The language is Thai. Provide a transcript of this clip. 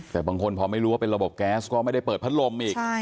แต่บางคนพอไม่รู้ว่าเป็นระบบแก๊สก็ไม่ได้เปิดพัดลมอีก